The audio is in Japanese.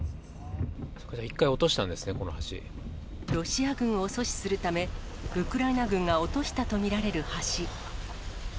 １回落としたんですね、ロシア軍を阻止するため、ウクライナ軍が落としたと見られる橋。